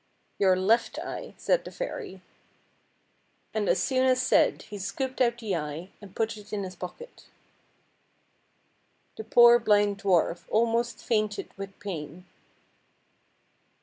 "" Your left eye," said the fairy. And as soon as said he scooped out the eye, and put it in his pocket. The poor blind dwarf almost fainted with pain.